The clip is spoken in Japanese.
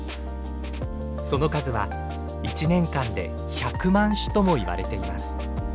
その数は１年間で１００万首ともいわれています。